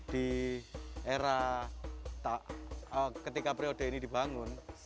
di era ketika periode ini dibangun